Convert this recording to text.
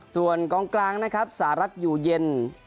ส่วนกองกลางนะครับสหรัฐอยู่เย็น